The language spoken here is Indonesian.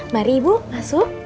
mari ibu masuk